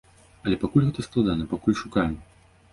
Але пакуль гэта складана, пакуль шукаем.